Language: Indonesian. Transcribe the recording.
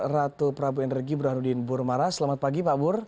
ratu prabu energi burhanuddin burmara selamat pagi pak bur